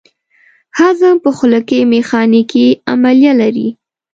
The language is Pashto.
هضم په خوله کې میخانیکي عملیه لري.